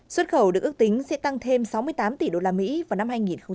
xuất khẩu được ước tính sẽ tăng thêm sáu mươi tám tỷ đô la mỹ vào năm hai nghìn hai mươi năm